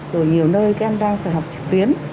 rồi nhiều nơi các em đang phải học trực tuyến